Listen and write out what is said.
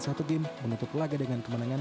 satu game menutup laga dengan kemenangan